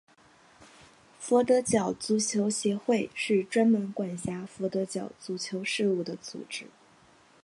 佛得角足球协会是专门管辖佛得角足球事务的组织。